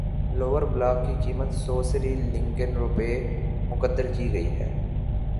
lower block کی قیمت سو سری لنکن روپے مقرر کی گئی ہے